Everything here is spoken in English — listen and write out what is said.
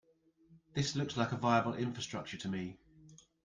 This looks like a viable infrastructure to me.